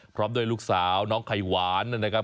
พร้อมด้วยลูกสาวน้องไข่หวานนะครับ